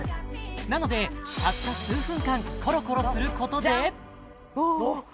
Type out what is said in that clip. なのでたった数分間コロコロすることでジャンおっ